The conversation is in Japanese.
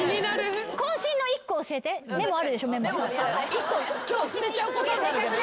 １個今日捨てちゃうことになるけどいい？